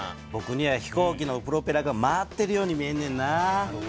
ぼくには飛行機のプロペラが回ってるように見えんねんな。